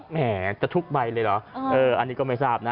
แหมจะทุกใบเลยเหรออันนี้ก็ไม่ทราบนะ